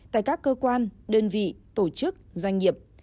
tại các cơ quan đơn vị tổ chức doanh nghiệp